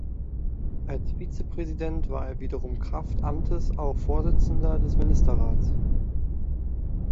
Als Vizepräsident war er wiederum kraft Amtes auch Vorsitzender des Ministerrates.